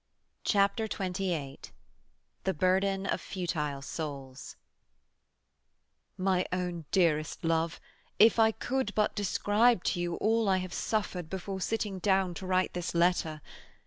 CHAPTER XXVIII THE BURDEN OF FUTILE SOULS "My own dearest love, if I could but describe to you all I have suffered before sitting down to write this letter!